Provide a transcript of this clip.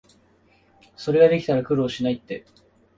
それができたら苦労しないって